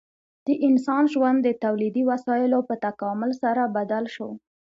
د انسان ژوند د تولیدي وسایلو په تکامل سره بدل شو.